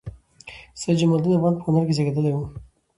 سيدجمال الدين افغان په کونړ کې زیږیدلی وه